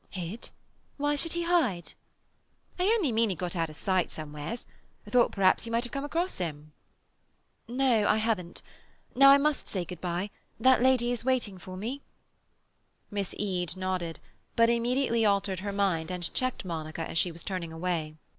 "Hid? Why should he hide?" "I only mean he got out of sight somewheres. I thought perhaps you might have come across him." "No, I haven't. Now I must say good bye. That lady is waiting for me." Miss Eade nodded, but immediately altered her mind and checked Monica as she was turning away.